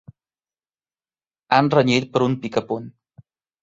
Han renyit per un picapunt.